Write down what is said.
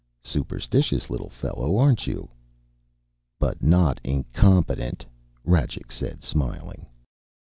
"Superstitious little fellow, aren't you?" "But not incompetent," Rajcik said, smiling.